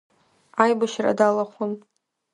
Аибашьра далахәын.